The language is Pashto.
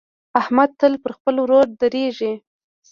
احمد تل پر خپل ورور درېږي.